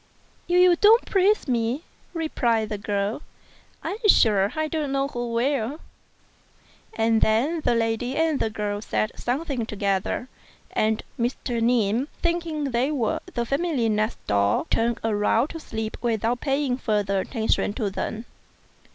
"If you don't praise me," replied the girl, "I'm sure I don't know who will;" and then the lady and the girl said something together, and Mr. Ning, thinking they were the family next door, turned round to sleep without paying further attention to them.